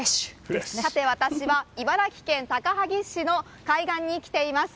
さて、私は茨城県高萩市の海岸に来ています。